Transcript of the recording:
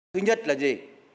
thứ nhất là gì